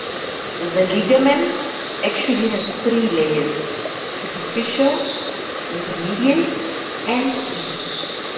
The ligament actually has three layers: superficial, intermediate and deep.